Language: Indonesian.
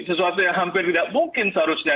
sesuatu yang hampir tidak mungkin seharusnya